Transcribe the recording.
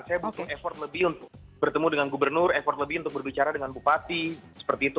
saya butuh effort lebih untuk bertemu dengan gubernur effort lebih untuk berbicara dengan bupati seperti itu